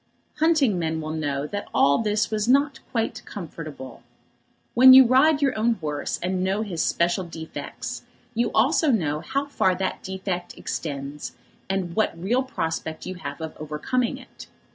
Hunting men will know that all this was not quite comfortable. When you ride your own horse, and know his special defects, you know also how far that defect extends, and what real prospect you have of overcoming it.